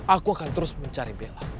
aku akan terus mencari bella